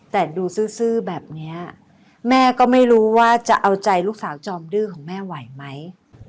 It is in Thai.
แต่ดูซื่อแบบนี้แม่ก็ไม่รู้ว่าจะเอาใจลูกสาวจอมดื้อของแม่ไหวไหม